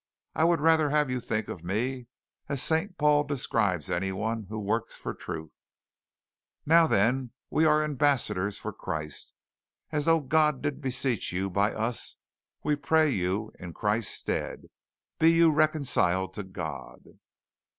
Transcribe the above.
I would rather have you think of me as St. Paul describes anyone who works for truth 'Now then we are ambassadors for Christ, as though God did beseech you by us, we pray you in Christ's stead, be ye reconciled to God.'"